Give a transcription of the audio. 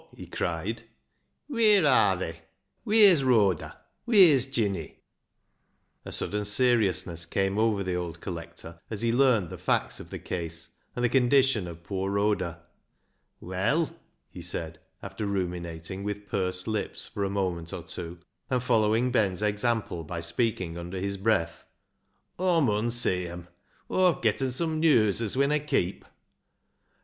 " he cried ;" wheer arr they ? Wheer's Rhoda ? Wheer's Jinny ?" A sudden seriousness came over the old collector as he learned the facts of the case and the condition of poor Rhoda. " Well," he said, after ruminating with pursed lips for a moment or two, and following Ben's example by speaking under his breath, " Aw mun see 'em ! Aw've getten some news as winna keep